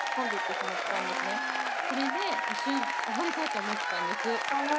それで一瞬溺れたと思ったんです。